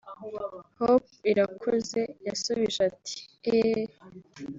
Hope Irakoze yasubije ati “Eeeh